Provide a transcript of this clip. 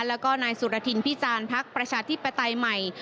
และหน้ายศุรทินพี่จานภักษณ์ประชาธิปไตน์ใหม่